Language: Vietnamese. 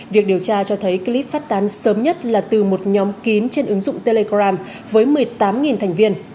việc điều tra cho thấy clip phát tán sớm nhất là từ một nhóm kín trên ứng dụng telegram với một mươi tám thành viên